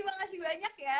makasih banyak ya